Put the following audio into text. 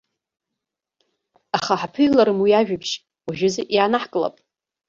Аха ҳаԥыҩларым уи ажәабжь, уажәазы иаанаҳкылап.